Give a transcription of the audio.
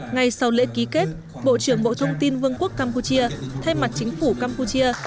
ngay sau lễ ký kết bộ trưởng bộ thông tin vương quốc campuchia thay mặt chính phủ campuchia